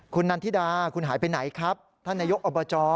คุณนันทิดาคุณหายไปไหนครับท่านนายกอบจ